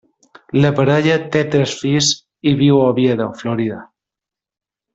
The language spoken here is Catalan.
La parella té tres fills i viu a Oviedo, Florida.